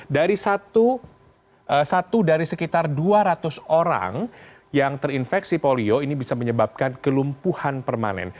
dari satu dari sekitar dua ratus orang yang terinfeksi polio ini bisa menyebabkan kelumpuhan permanen